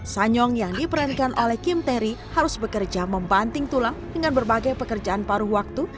sanyong yang diperankan oleh kim terry harus bekerja membanting tulang dengan berbagai pekerjaan paruh waktu